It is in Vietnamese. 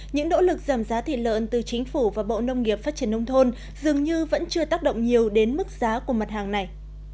những nỗ lực giảm giá thịt lợn từ chính phủ và bộ nông nghiệp phát triển nông thôn dường như vẫn chưa tác động nhiều đến mức giá của mặt hàng này